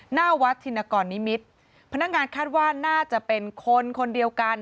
หน้าวัดธินกรนิมิตรพนักงานคาดว่าน่าจะเป็นคนคนเดียวกัน